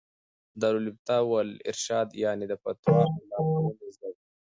دار الافتاء والارشاد، يعني: د فتوا او لارښووني ځای